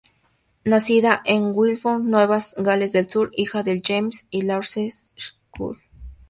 Nacida en Wellington, Nueva Gales del Sur, hija de James y Laurie McCullough.